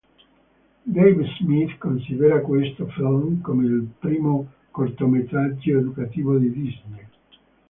Dave Smith considera questo film come il primo cortometraggio educativo di Disney.